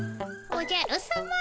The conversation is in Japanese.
おじゃるさま。